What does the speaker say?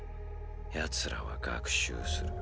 奴らは学習する。